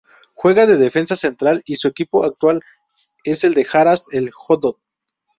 Juega de defensa central y su equipo actual es el Haras El-Hodood.